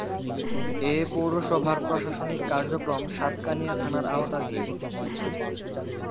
এ পৌরসভার প্রশাসনিক কার্যক্রম সাতকানিয়া থানার আওতাধীন।